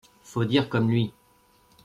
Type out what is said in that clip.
Faut dire comme lui.